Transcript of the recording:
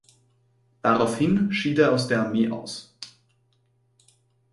Daraufhin schied er aus der Armee aus.